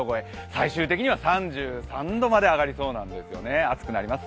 最終的には３３度まで上がりそうなんですよね、暑くなります。